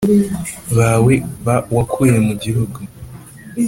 Bawe wakuye mu gihugu